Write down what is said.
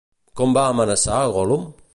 Com va amenaçar a Gollum?